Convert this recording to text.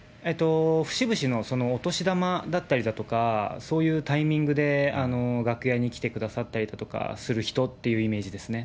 節々のお年玉だったりとか、そういうタイミングで楽屋に来てくださったりとかする人っていうイメージですね。